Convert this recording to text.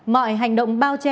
mọi hành động bao nhiêu